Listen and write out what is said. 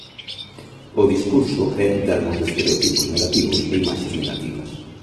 O discurso é en termos de estereotipos negativos e imaxes negativas.